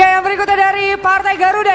yang berikutnya dari partai garuda